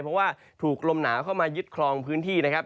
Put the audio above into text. เพราะว่าถูกลมหนาวเข้ามายึดคลองพื้นที่นะครับ